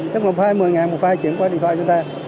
tức là một file một mươi ngàn một file chuyển qua điện thoại cho ta